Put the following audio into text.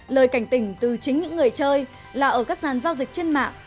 lời cảnh tỉnh từ chính những người chơi là ở các sàn giao dịch trên mạng